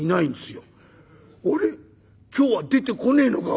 今日は出てこねえのか？